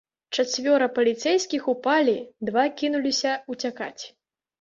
Чацвёра паліцэйскіх упалі, два кінуліся ўпякаць.